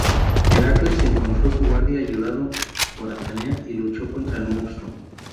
Heracles encontró su guarida ayudado por Atenea y luchó contra el monstruo.